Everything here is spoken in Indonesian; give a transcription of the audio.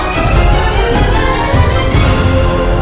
dan kita akan